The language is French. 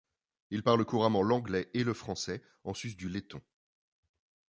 Il parle couramment l'anglais et le français, en sus du letton.